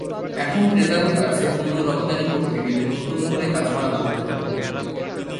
এখন ক্রেতাদের কাছে পণ্য রপ্তানি করতে হলে নতুন করে কাঁচামাল আনতে হবে।